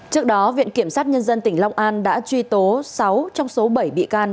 trước đó viện kiểm sát nhân dân tỉnh long an đã truy tố sáu trong số bảy bị can